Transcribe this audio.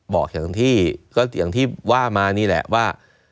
บอกอย่างที่ว่ามานี่แหละว่า